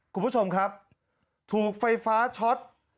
คุณผู้ชมครับถูกไฟฟ้าช็อต